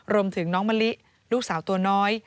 รวมถึงน้องมะลิลูกสาวตัวน้อย